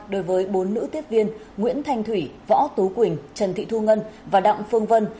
đối với bốn nữ tiếp viên nguyễn thanh thủy võ tú quỳnh trần thị thu ngân và đặng phương vân